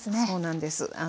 そうなんです。